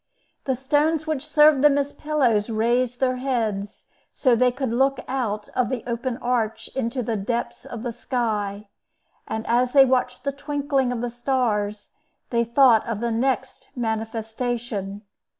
The stones which served them as pillows raised their heads so they could look out of the open arch into the depths of the sky; and as they watched the twinkling of the stars, they thought of the next manifestation.